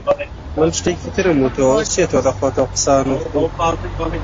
کورد میللەتێکی خۆخۆرە